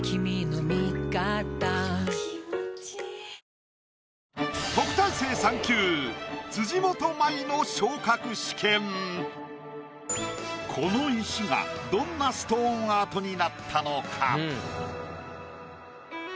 ニトリこの石がどんなストーンアートになったのか？